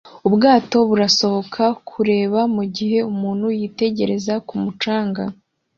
Ubwato burasohoka kureba mugihe umuntu yitegereza ku mucanga